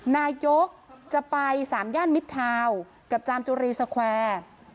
นายกรัฐมนตรีจะไป๓ย่านมิตรทาวน์กับจามจุรีสแควร์